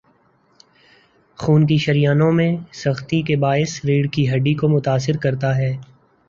خون کی شریانوں میں سختی کے باعث ریڑھ کی ہڈی کو متاثر کرتا ہے